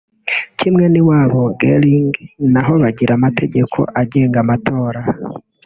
Kimwe n’iwabo [Gelling] naho bagira amategeko agenga amatora